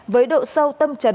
với độ sâu tâm trấn